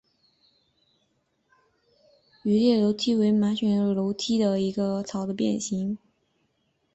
羽裂楼梯草为荨麻科楼梯草属异叶楼梯草下的一个变型。